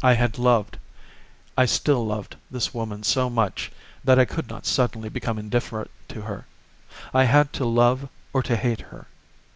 I had loved, I still loved this woman so much that I could not suddenly become indifferent to her. I had to love or to hate her.